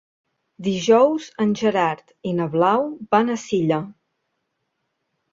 Dijous en Gerard i na Blau van a Silla.